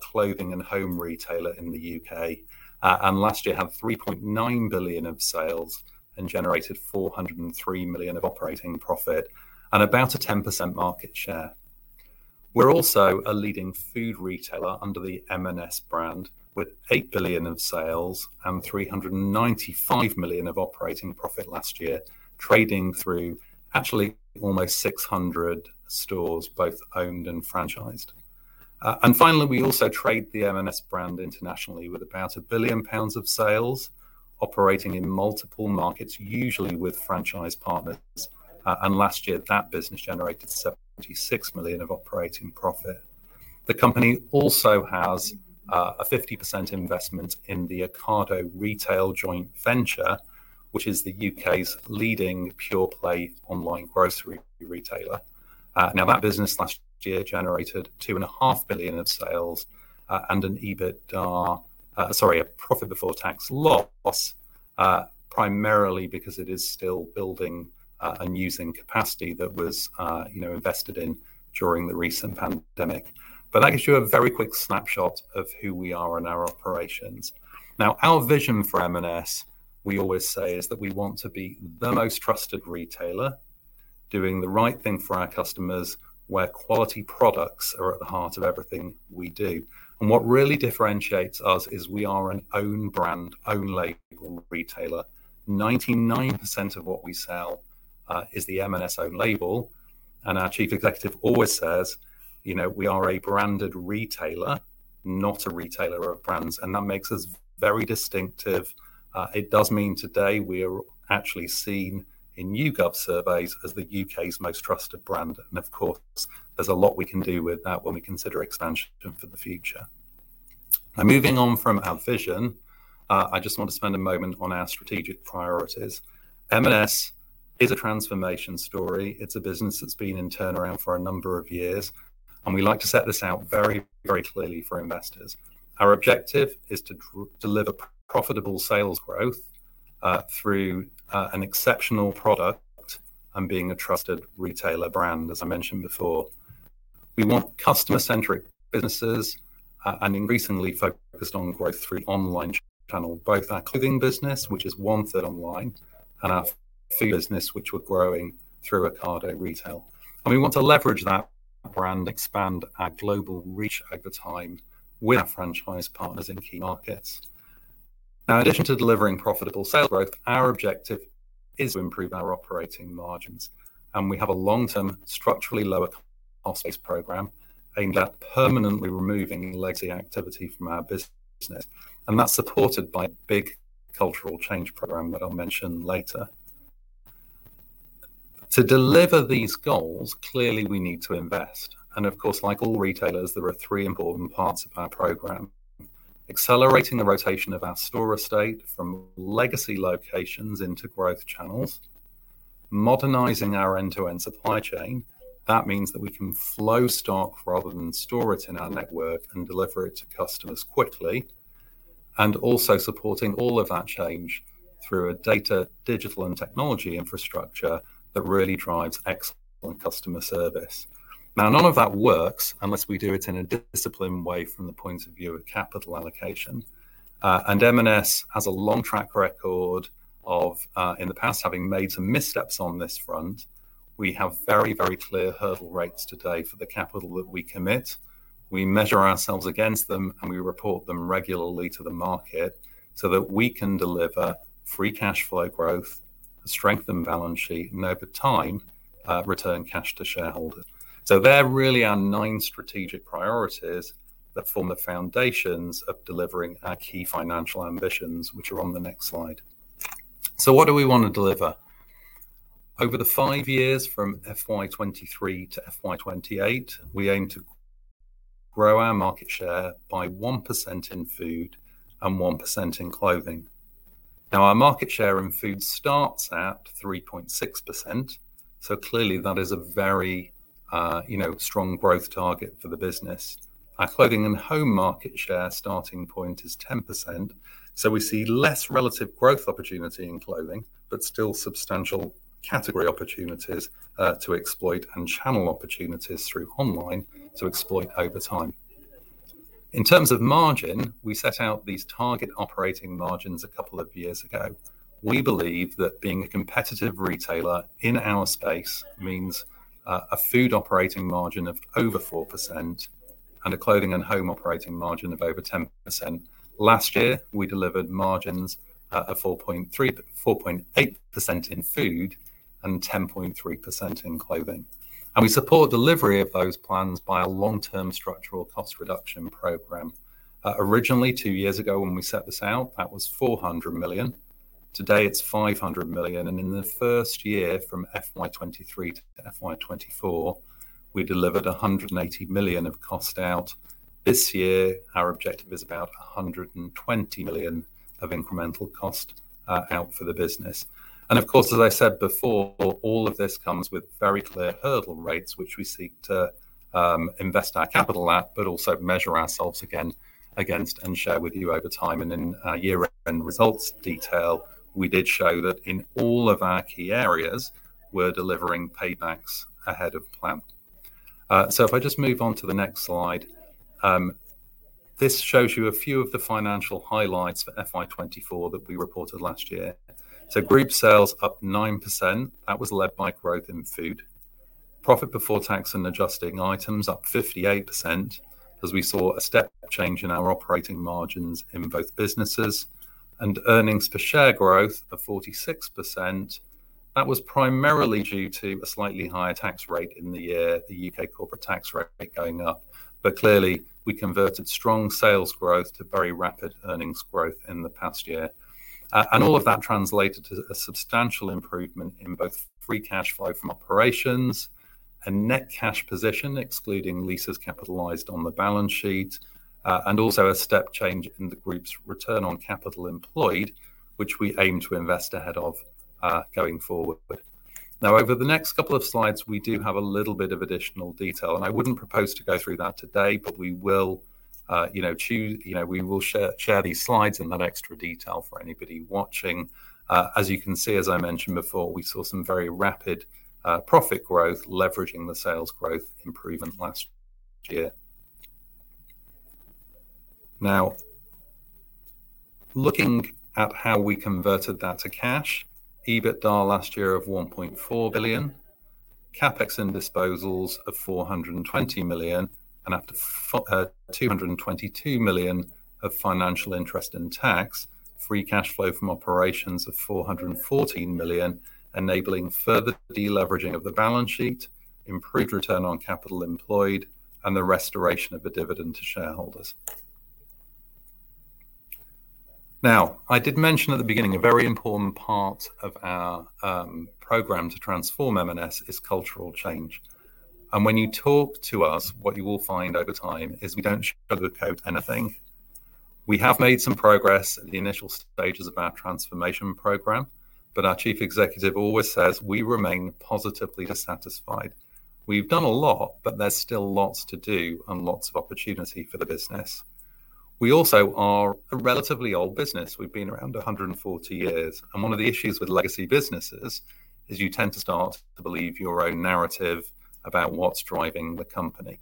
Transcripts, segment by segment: Clothing and home retailer in the U.K. And last year had 3.9 billion of sales and generated 403 million of operating profit, and about a 10% market share. We're also a leading food retailer under the M&S brand, with 8 billion of sales and 395 million of operating profit last year, trading through actually almost 600 stores, both owned and franchised. And finally, we also trade the M&S brand internationally with about 1 billion pounds of sales, operating in multiple markets, usually with franchise partners. And last year, that business generated 76 million of operating profit. The company also has a 50% investment in the Ocado Retail joint venture, which is the U.K.'s leading pure-play online grocery retailer. Now, that business last year generated 2.5 billion in sales, and an EBITDA, sorry, a profit before tax loss, primarily because it is still building and using capacity that was, you know, invested in during the recent pandemic. But that gives you a very quick snapshot of who we are and our operations. Now, our vision for M&S, we always say, is that we want to be the most trusted retailer, doing the right thing for our customers, where quality products are at the heart of everything we do, and what really differentiates us is we are an own brand, own label retailer. 99% of what we sell is the M&S own label, and our Chief Executive always says, "You know, we are a branded retailer, not a retailer of brands," and that makes us very distinctive. It does mean today we are actually seen in YouGov surveys as the U.K.'s most trusted brand, and of course, there's a lot we can do with that when we consider expansion for the future. Now, moving on from our vision, I just want to spend a moment on our strategic priorities. M&S is a transformation story. It's a business that's been in turnaround for a number of years, and we like to set this out very, very clearly for investors. Our objective is to deliver profitable sales growth, through an exceptional product and being a trusted retailer brand, as I mentioned before. We want customer-centric businesses, and recently focused on growth through online channel, both our clothing business, which is one-third online, and our food business, which we're growing through Ocado Retail. And we want to leverage that brand, expand our global reach over time with our franchise partners in key markets. Now, in addition to delivering profitable sales growth, our objective is to improve our operating margins, and we have a long-term, structurally lower cost base program aimed at permanently removing legacy activity from our business. And that's supported by a big cultural change program that I'll mention later. To deliver these goals, clearly, we need to invest. And of course, like all retailers, there are three important parts of our program: accelerating the rotation of our store estate from legacy locations into growth channels, modernizing our end-to-end supply chain, that means that we can flow stock rather than store it in our network and deliver it to customers quickly, and also supporting all of that change through a data, digital, and technology infrastructure that really drives excellent customer service. Now, none of that works unless we do it in a disciplined way from the point of view of capital allocation. And M&S has a long track record of, in the past, having made some missteps on this front. We have very, very clear hurdle rates today for the capital that we commit. We measure ourselves against them, and we report them regularly to the market, so that we can deliver free cash flow growth, strengthen the balance sheet, and over time, return cash to shareholders. So they're really our nine strategic priorities that form the foundations of delivering our key financial ambitions, which are on the next slide. So what do we want to deliver? Over the five years from FY 2023 to FY 2028, we aim to grow our market share by 1% in food and 1% in clothing. Now, our market share in food starts at 3.6%, so clearly that is a very, you know, strong growth target for the business. Our clothing and home market share starting point is 10%, so we see less relative growth opportunity in clothing, but still substantial category opportunities, to exploit and channel opportunities through online to exploit over time. In terms of margin, we set out these target operating margins a couple of years ago. We believe that being a competitive retailer in our space means, a food operating margin of over 4% and a clothing and home operating margin of over 10%. Last year, we delivered margins at a 4.3%-4.8% in food and 10.3% in clothing. And we support delivery of those plans by a long-term structural cost reduction program. Originally, two years ago, when we set this out, that was 400 million. Today, it's 500 million, and in the first year, from FY 2023 to FY 2024, we delivered 180 million of cost out. This year, our objective is about 120 million of incremental cost out for the business. Of course, as I said before, all of this comes with very clear hurdle rates, which we seek to invest our capital at, but also measure ourselves against and share with you over time. In our year-end results detail, we did show that in all of our key areas, we're delivering paybacks ahead of plan. So if I just move on to the next slide. This shows you a few of the financial highlights for FY 2024 that we reported last year. So group sales up 9%, that was led by growth in food. Profit before tax and adjusting items up 58%, as we saw a step change in our operating margins in both businesses. And earnings per share growth of 46%, that was primarily due to a slightly higher tax rate in the year, the U.K. corporate tax rate going up. But clearly, we converted strong sales growth to very rapid earnings growth in the past year. And all of that translated to a substantial improvement in both free cash flow from operations and net cash position, excluding leases capitalized on the balance sheet, and also a step change in the group's return on capital employed, which we aim to invest ahead of, going forward. Now, over the next couple of slides, we do have a little bit of additional detail, and I wouldn't propose to go through that today, but we will, you know, we will share these slides in that extra detail for anybody watching. As you can see, as I mentioned before, we saw some very rapid profit growth, leveraging the sales growth improvement last year. Now, looking at how we converted that to cash, EBITDA last year of 1.4 billion, CapEx and disposals of 420 million, and after 222 million of financial interest in tax, free cash flow from operations of 414 million, enabling further deleveraging of the balance sheet, improved return on capital employed, and the restoration of a dividend to shareholders. Now, I did mention at the beginning, a very important part of our program to transform M&S is cultural change, and when you talk to us, what you will find over time is we don't sugarcoat anything. We have made some progress at the initial stages of our transformation program, but our Chief Executive always says we remain positively dissatisfied. We've done a lot, but there's still lots to do and lots of opportunity for the business. We also are a relatively old business. We've been around a hundred and forty years, and one of the issues with legacy businesses is you tend to start to believe your own narrative about what's driving the company,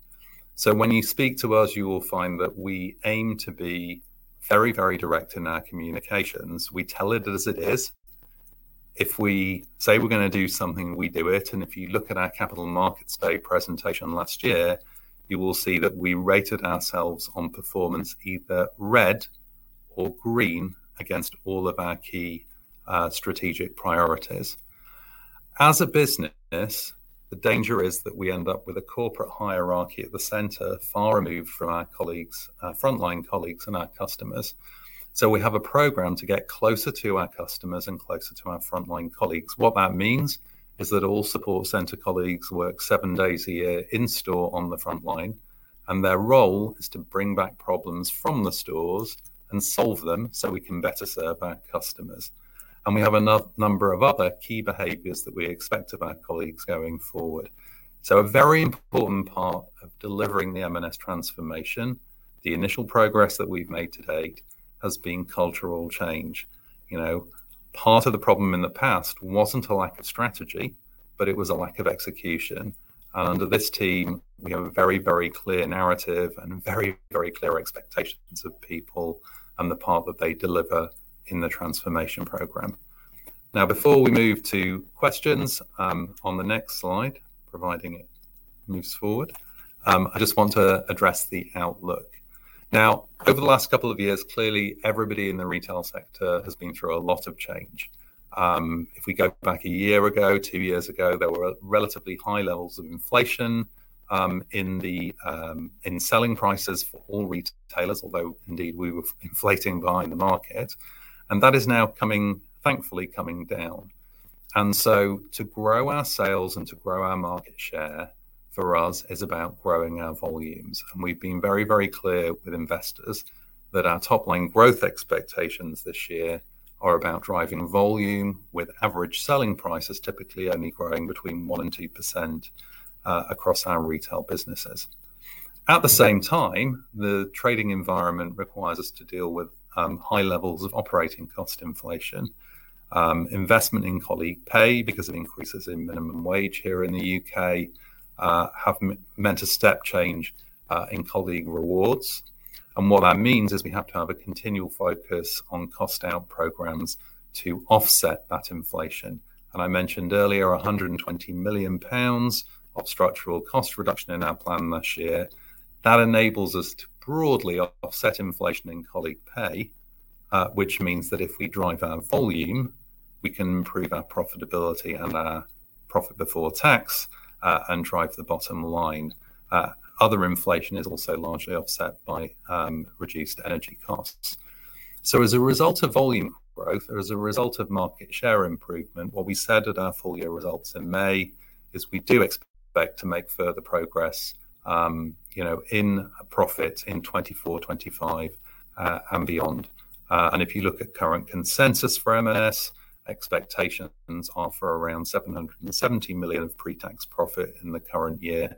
so when you speak to us, you will find that we aim to be very, very direct in our communications. We tell it as it is. If we say we're gonna do something, we do it. And if you look at our Capital Markets Day presentation last year, you will see that we rated ourselves on performance, either red or green, against all of our key, strategic priorities. As a business, the danger is that we end up with a corporate hierarchy at the center, far removed from our colleagues, frontline colleagues and our customers. So we have a program to get closer to our customers and closer to our frontline colleagues. What that means is that all support center colleagues work seven days a year in store on the frontline, and their role is to bring back problems from the stores and solve them so we can better serve our customers. And we have a number of other key behaviors that we expect of our colleagues going forward. A very important part of delivering the M&S transformation, the initial progress that we've made to date, has been cultural change. You know, part of the problem in the past wasn't a lack of strategy, but it was a lack of execution. Under this team, we have a very, very clear narrative and very, very clear expectations of people and the part that they deliver in the transformation program. Now, before we move to questions, on the next slide, providing it moves forward, I just want to address the outlook. Now, over the last couple of years, clearly, everybody in the retail sector has been through a lot of change. If we go back a year ago, two years ago, there were relatively high levels of inflation in selling prices for all retailers, although indeed, we were inflating behind the market, and that is now coming, thankfully coming down. And so to grow our sales and to grow our market share, for us, is about growing our volumes. And we've been very, very clear with investors that our top line growth expectations this year are about driving volume, with average selling prices typically only growing between 1% and 2% across our retail businesses. At the same time, the trading environment requires us to deal with high levels of operating cost inflation, investment in colleague pay because of increases in minimum wage here in the U.K., have meant a step change in colleague rewards. What that means is we have to have a continual focus on cost out programs to offset that inflation. I mentioned earlier, 120 million pounds of structural cost reduction in our plan this year. That enables us to broadly offset inflation in colleague pay, which means that if we drive our volume, we can improve our profitability and our profit before tax, and drive the bottom line. Other inflation is also largely offset by reduced energy costs. As a result of volume growth or as a result of market share improvement, what we said at our full-year results in May is we do expect to make further progress, you know, in a profit in 2024, 2025, and beyond. And if you look at current consensus for M&S, expectations are for around 770 million of pre-tax profit in the current year,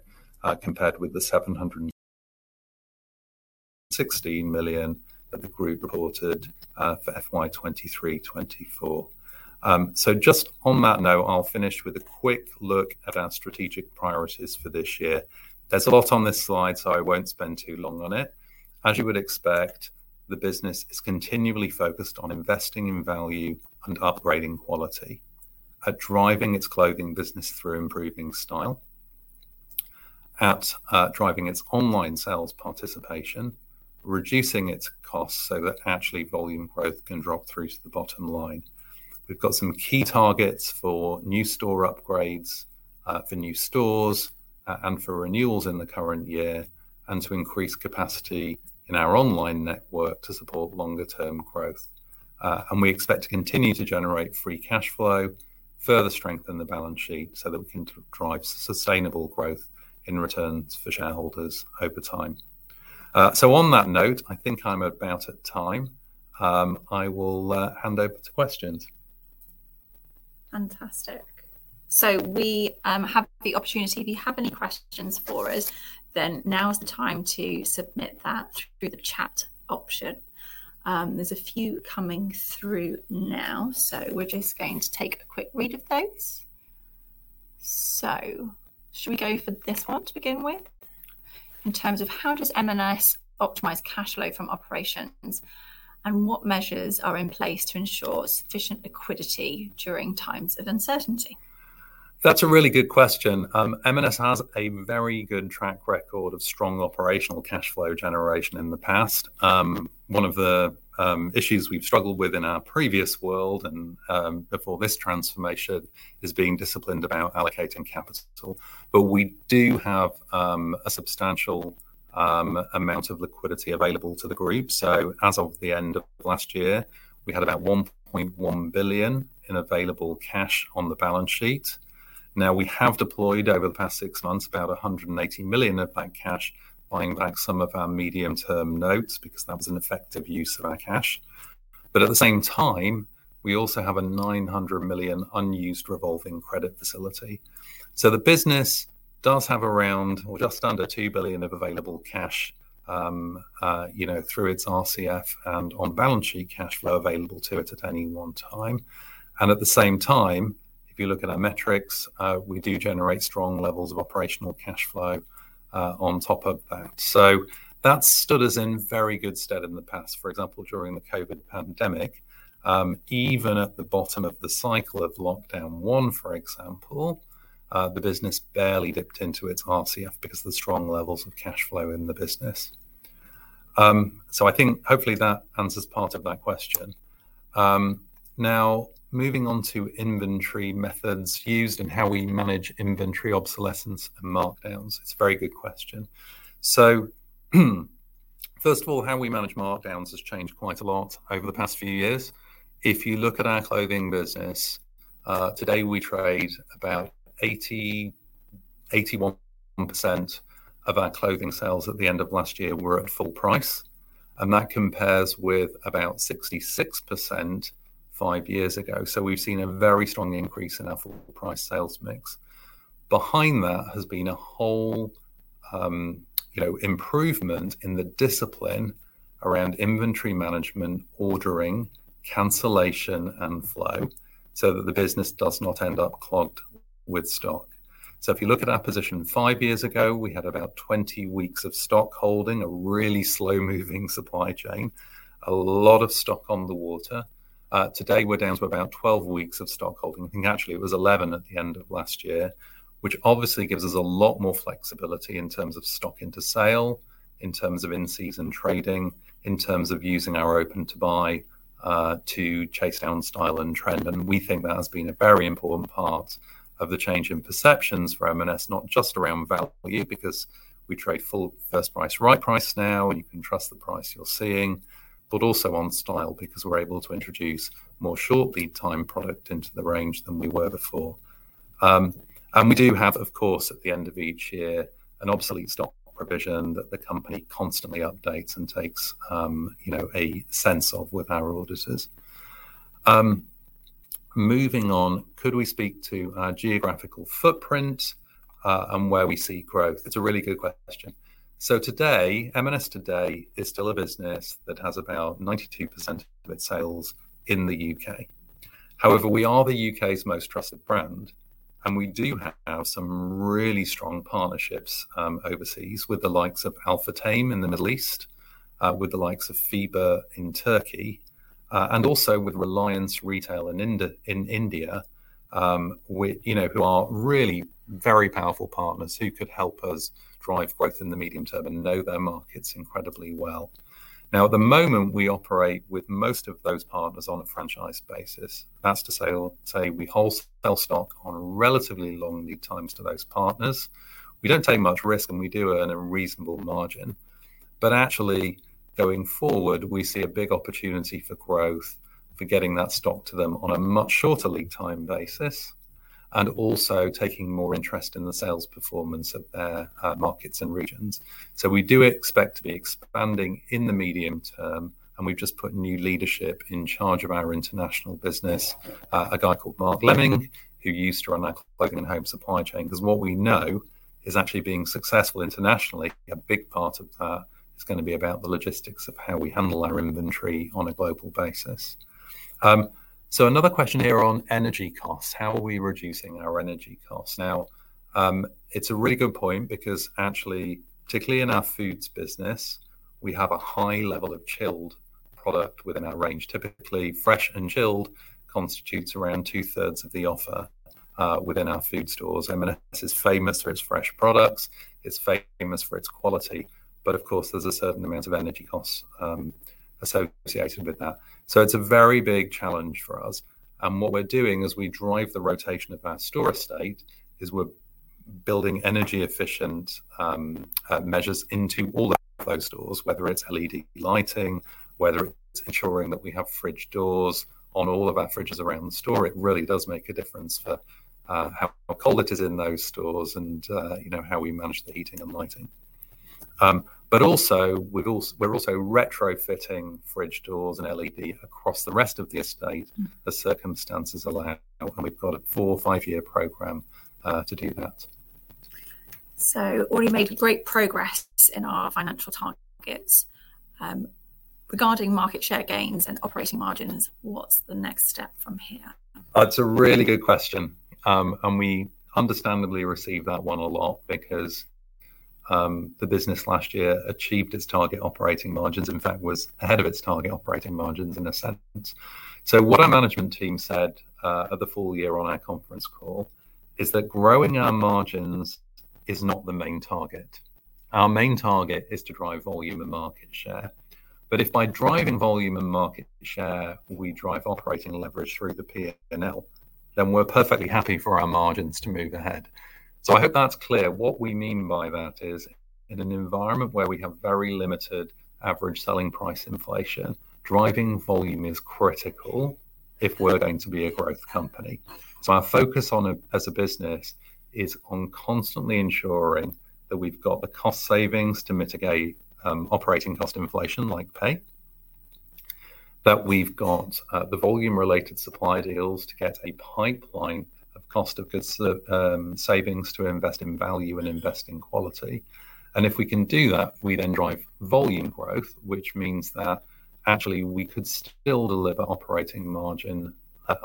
compared with the 716 million that the group reported for FY 2023/24. So just on that note, I'll finish with a quick look at our strategic priorities for this year. There's a lot on this slide, so I won't spend too long on it. As you would expect, the business is continually focused on investing in value and upgrading quality. And driving its clothing business through improving style, and driving its online sales participation, reducing its costs so that actually volume growth can drop through to the bottom line. We've got some key targets for new store upgrades, for new stores, and for renewals in the current year, and to increase capacity in our online network to support longer term growth, and we expect to continue to generate free cash flow, further strengthen the balance sheet, so that we can drive sustainable growth in returns for shareholders over time, so on that note, I think I'm about at time. I will hand over to questions. Fantastic, so we have the opportunity. If you have any questions for us, then now is the time to submit that through the chat option. There's a few coming through now, so we're just going to take a quick read of those, so should we go for this one to begin with? In terms of how does M&S optimize cash flow from operations, and what measures are in place to ensure sufficient liquidity during times of uncertainty? That's a really good question. M&S has a very good track record of strong operational cash flow generation in the past. One of the issues we've struggled with in our previous world and before this transformation is being disciplined about allocating capital. But we do have a substantial amount of liquidity available to the group. So as of the end of last year, we had about 1.1 billion in available cash on the balance sheet. Now, we have deployed over the past six months about 180 million of that cash, buying back some of our medium-term notes, because that was an effective use of our cash. But at the same time, we also have a 900 million unused revolving credit facility. So the business does have around or just under 2 billion of available cash, you know, through its RCF and on-balance sheet cash flow available to it at any one time. And at the same time, if you look at our metrics, we do generate strong levels of operational cash flow, on top of that. So that stood us in very good stead in the past, for example, during the COVID pandemic. Even at the bottom of the cycle of lockdown one, for example, the business barely dipped into its RCF because of the strong levels of cash flow in the business. So I think hopefully that answers part of that question. Now, moving on to inventory methods used and how we manage inventory obsolescence and markdowns. It's a very good question. So, first of all, how we manage markdowns has changed quite a lot over the past few years. If you look at our clothing business, today, about 80%-81% of our clothing sales at the end of last year were at full price, and that compares with about 66% five years ago. So we've seen a very strong increase in our full price sales mix. Behind that has been a whole, you know, improvement in the discipline around inventory management, ordering, cancellation, and flow, so that the business does not end up clogged with stock. So if you look at our position five years ago, we had about 20 weeks of stock holding, a really slow-moving supply chain, a lot of stock on the water. Today, we're down to about 12 weeks of stock holding. I think actually it was eleven at the end of last year, which obviously gives us a lot more flexibility in terms of stock into sale, in terms of in-season trading, in terms of using our open to buy, to chase down style and trend. And we think that has been a very important part of the change in perceptions for M&S, not just around value, because we trade full first price, right price now, you can trust the price you're seeing, but also on style, because we're able to introduce more short lead time product into the range than we were before. And we do have, of course, at the end of each year, an obsolete stock provision that the company constantly updates and takes, you know, a sense of with our auditors. Moving on, could we speak to our geographical footprint and where we see growth? It's a really good question. So today, M&S today is still a business that has about 92% of its sales in the UK. However, we are the UK's most trusted brand, and we do have some really strong partnerships overseas with the likes of Al-Futtaim in the Middle East, with the likes of Fibabanca in Turkey, and also with Reliance Retail in India, with, you know, who are really very powerful partners who could help us drive growth in the medium term and know their markets incredibly well. Now, at the moment, we operate with most of those partners on a franchise basis. That's to say, say we wholesale stock on relatively long lead times to those partners. We don't take much risk, and we do earn a reasonable margin. But actually, going forward, we see a big opportunity for growth, for getting that stock to them on a much shorter lead time basis, and also taking more interest in the sales performance of their markets and regions. So we do expect to be expanding in the medium term, and we've just put new leadership in charge of our international business, a guy called Mark Lemming, who used to run our Clothing and Home supply chain. Because what we know is actually being successful internationally. A big part of that is going to be about the logistics of how we handle our inventory on a global basis. So another question here on energy costs. How are we reducing our energy costs? Now, it's a really good point because actually, particularly in our foods business, we have a high level of chilled product within our range. Typically, fresh and chilled constitutes around two-thirds of the offer, within our food stores. M&S is famous for its fresh products, it's famous for its quality, but of course, there's a certain amount of energy costs, associated with that. So it's a very big challenge for us, and what we're doing as we drive the rotation of our store estate, is we're building energy efficient, measures into all of those stores, whether it's LED lighting, whether it's ensuring that we have fridge doors on all of our fridges around the store. It really does make a difference for, how cold it is in those stores and, you know, how we manage the heating and lighting. but also, we're also retrofitting fridge doors and LED across the rest of the estate as circumstances allow, and we've got a four- or five-year program to do that. Already made great progress in our financial targets. Regarding market share gains and operating margins, what's the next step from here? That's a really good question, and we understandably receive that one a lot because the business last year achieved its target operating margins, in fact, was ahead of its target operating margins, in a sense, so what our management team said at the full year on our conference call is that growing our margins is not the main target. Our main target is to drive volume and market share, but if by driving volume and market share, we drive operating leverage through the PNL, then we're perfectly happy for our margins to move ahead, so I hope that's clear. What we mean by that is, in an environment where we have very limited average selling price inflation, driving volume is critical if we're going to be a growth company. So our focus on a, as a business, is on constantly ensuring that we've got the cost savings to mitigate operating cost inflation, like pay. That we've got the volume related supply deals to get a pipeline of cost of goods savings to invest in value and invest in quality. And if we can do that, we then drive volume growth, which means that actually we could still deliver operating margin,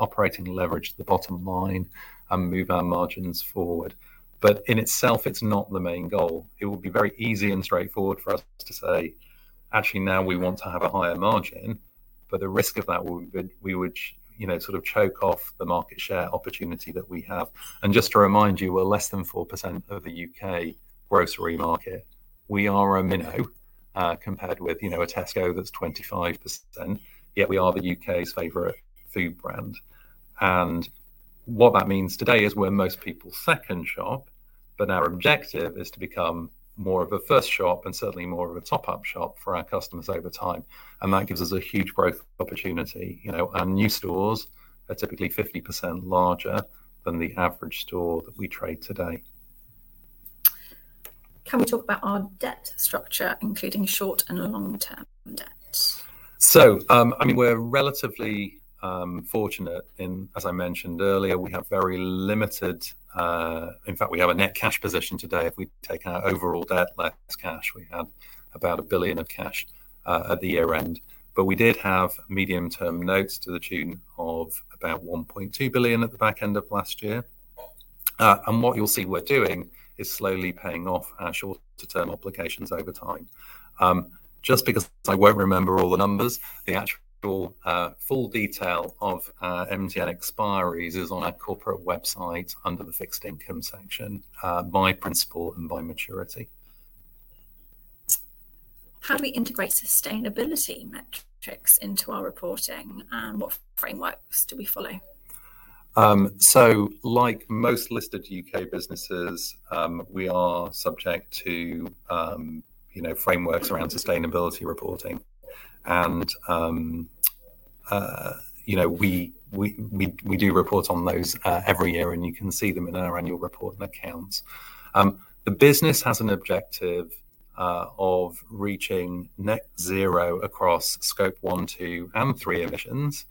operating leverage to the bottom line and move our margins forward. But in itself, it's not the main goal. It would be very easy and straightforward for us to say, actually, now we want to have a higher margin, but the risk of that would, you know, sort of choke off the market share opportunity that we have. Just to remind you, we're less than 4% of the U.K. grocery market. We are a minnow compared with, you know, a Tesco that's 25%, yet we are the U.K.'s favorite food brand. What that means today is we're most people's second shop, but our objective is to become more of a first shop and certainly more of a top-up shop for our customers over time, and that gives us a huge growth opportunity, you know. New stores are typically 50% larger than the average store that we trade today. Can we talk about our debt structure, including short and long-term debt? So, I mean, we're relatively fortunate in, as I mentioned earlier, we have very limited, in fact, we have a net cash position today. If we take our overall debt less cash, we have about 1 billion of cash at the year-end. But we did have medium-term notes to the tune of about 1.2 billion at the back end of last year. And what you'll see we're doing is slowly paying off our shorter-term obligations over time. Just because I won't remember all the numbers, the actual full detail of MTN expiries is on our corporate website under the fixed income section, by principal and by maturity. How do we integrate sustainability metrics into our reporting, and what frameworks do we follow? So like most listed U.K. businesses, we are subject to, you know, frameworks around sustainability reporting, and you know we do report on those every year, and you can see them in our annual report and accounts. The business has an objective of reaching Net Zero across scope one, two and three emissions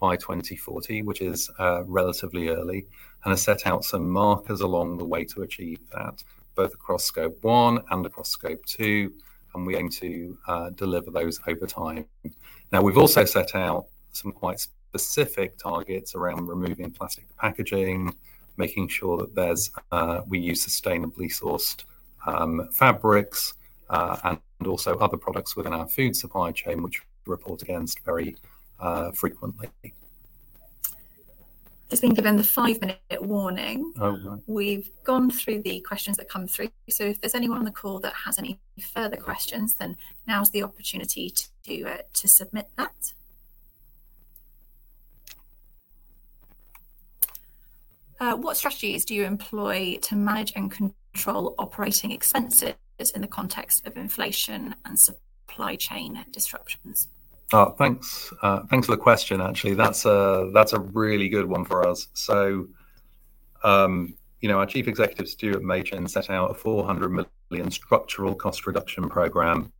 by 2040, which is relatively early, and has set out some markers along the way to achieve that, both across scope one and across scope two, and we're going to deliver those over time. Now, we've also set out some quite specific targets around removing plastic packaging, making sure that we use sustainably sourced fabrics, and also other products within our food supply chain, which we report against very frequently. Just been given the five-minute warning. Oh, right. We've gone through the questions that come through. So if there's anyone on the call that has any further questions, then now is the opportunity to submit that. What strategies do you employ to manage and control operating expenses in the context of inflation and supply chain disruptions? Oh, thanks, thanks for the question, actually. That's a really good one for us. So, you know, our Chief Executive, Stuart Machin, set out a 400 million structural cost reduction program,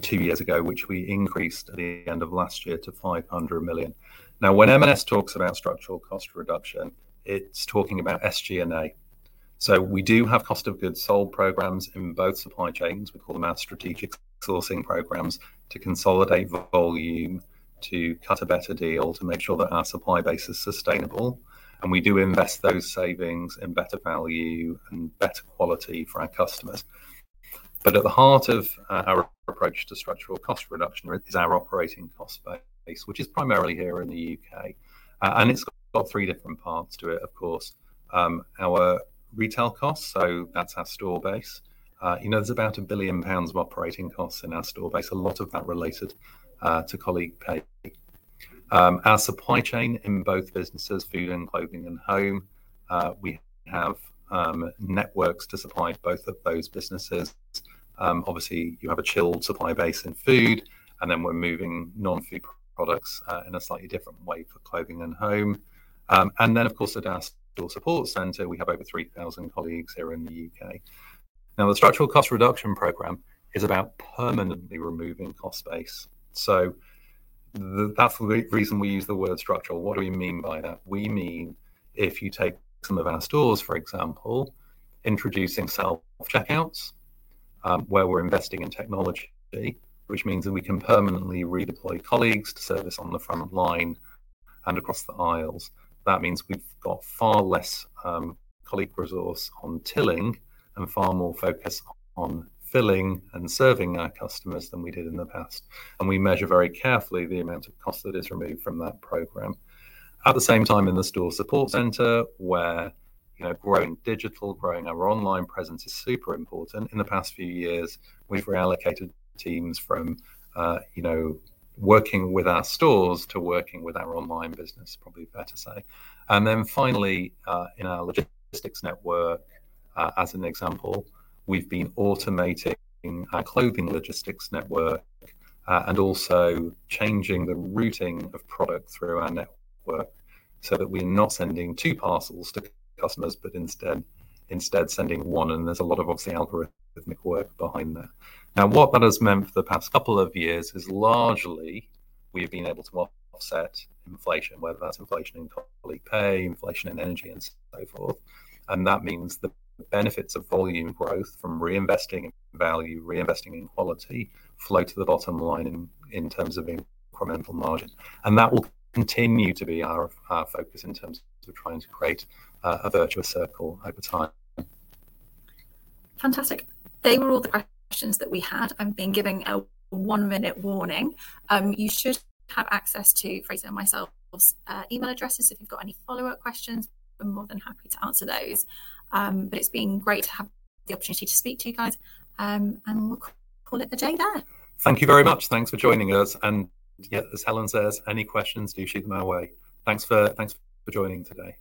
two years ago, which we increased at the end of last year to 500 million. Now, when M&S talks about structural cost reduction, it's talking about SG&A. So we do have cost of goods sold programs in both supply chains. We call them our strategic sourcing programs, to consolidate the volume, to cut a better deal, to make sure that our supply base is sustainable, and we do invest those savings in better value and better quality for our customers. But at the heart of our approach to structural cost reduction is our operating cost base, which is primarily here in the U.K. And it's got three different parts to it, of course. Our retail costs, so that's our store base. You know, there's about 1 billion pounds of operating costs in our store base, a lot of that related to colleague pay. Our supply chain in both businesses, food and clothing and home, we have networks to supply both of those businesses. Obviously, you have a chilled supply base in food, and then we're moving non-food products in a slightly different way for clothing and home. And then, of course, at our store support center, we have over 3,000 colleagues here in the U.K. Now, the structural cost reduction program is about permanently removing cost base. So that's the reason we use the word structural. What do we mean by that? We mean if you take some of our stores, for example, introducing self-checkouts, where we're investing in technology, which means that we can permanently redeploy colleagues to service on the front line and across the aisles. That means we've got far less colleague resource on tilling and far more focus on filling and serving our customers than we did in the past, and we measure very carefully the amount of cost that is removed from that program. At the same time, in the store support center, where, you know, growing digital, growing our online presence is super important. In the past few years, we've reallocated teams from, you know, working with our stores to working with our online business, probably fair to say. And then finally, in our logistics network, as an example, we've been automating our clothing logistics network, and also changing the routing of product through our network, so that we're not sending two parcels to customers, but instead sending one, and there's a lot of, obviously, algorithmic work behind there. Now, what that has meant for the past couple of years is largely we've been able to offset inflation, whether that's inflation in colleague pay, inflation in energy, and so forth. And that means the benefits of volume growth from reinvesting in value, reinvesting in quality, flow to the bottom line in terms of incremental margin. And that will continue to be our focus in terms of trying to create a virtuous circle over time. Fantastic. They were all the questions that we had. I've been giving a one-minute warning. You should have access to Fraser and myself, email addresses, if you've got any follow-up questions. We're more than happy to answer those, but it's been great to have the opportunity to speak to you guys, and we'll call it the day there. Thank you very much. Thanks for joining us, and yeah, as Helen says, any questions, do shoot them our way. Thanks for joining today.